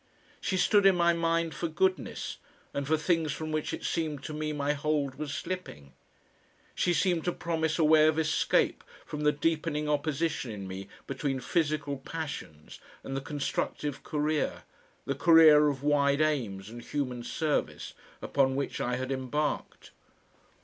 She stood in my mind for goodness and for things from which it seemed to me my hold was slipping. She seemed to promise a way of escape from the deepening opposition in me between physical passions and the constructive career, the career of wide aims and human service, upon which I had embarked.